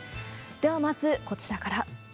では、まずこちらから。